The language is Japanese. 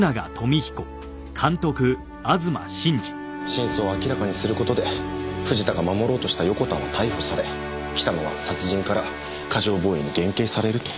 真相を明らかにする事で藤田が守ろうとした横田は逮捕され北野は殺人から過剰防衛に減刑されると。